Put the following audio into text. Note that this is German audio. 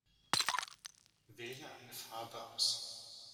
Wähle eine Farbe aus.